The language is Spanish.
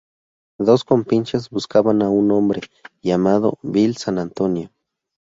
Dos compinches buscan a un hombre llamado "Bill San Antonio".